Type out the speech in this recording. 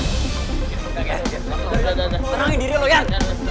terangin diri lo yan